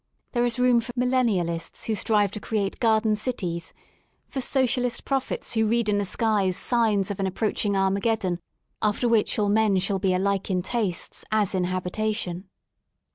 There is room for millennialists who strive to create Garden Cities, for socialist prophets who read in the skies signs of an ap proaching Armageddon after which all men shall be alike in tastes as in habitation.